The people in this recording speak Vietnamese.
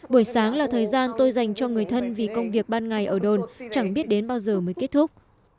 buổi sáng là thời gian tôi dành cho người thân vì công việc ban ngày ở đồn chẳng biết đến bao giờ mới kết thúc